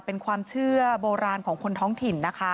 เป็นความเชื่อโบราณของคนท้องถิ่นนะคะ